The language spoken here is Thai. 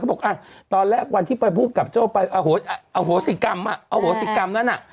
เขาบอกตอนแรกวันที่ไปพูดกับโจ้ไปโอ้โหสิกรรมนั้น